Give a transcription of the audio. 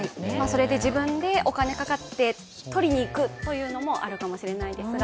それで自分でお金がかかって取りにいくというのもあるかもしれないですが。